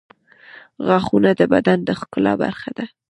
غاښونه د بدن د ښکلا برخه ده.